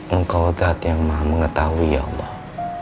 engkau saat yang maha mengetahui ya allah